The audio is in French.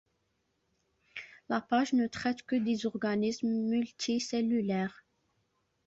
La page ne traite que des organismes multicellulaires.